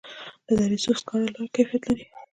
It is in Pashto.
د دره صوف سکاره لوړ کیفیت لري